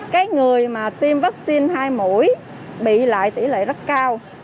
cái người mà tiêm vaccine hai mũi bị lại tỷ lệ rất cao